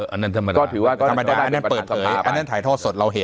อันนั้นธรรมดาอันนั้นเปิดเผยอันนั้นถ่ายท่อสดเราเห็น